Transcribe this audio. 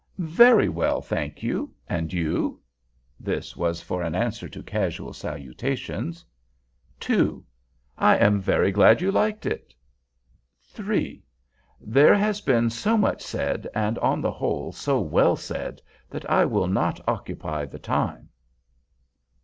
"Very well, thank you. And you?" This for an answer to casual salutations. 2. "I am very glad you liked it." 3. "There has been so much said, and, on the whole, so well said, that I will not occupy the time."